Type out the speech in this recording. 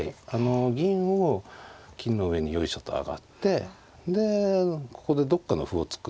銀を金の上によいしょと上がってでここでどっかの歩を突く。